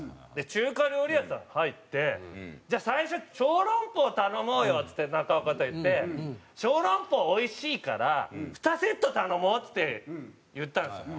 中華料理屋さん入って「じゃあ最初小籠包頼もうよ」っつって中岡と言って「小籠包おいしいから２セット頼もう」って言ったんですよ。